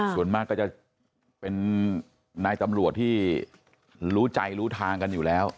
ส่วนมากก็จะเป็นนายตำรวจที่รู้ใจรู้ทางกันอยู่แล้ว